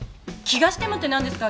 気がしてもって。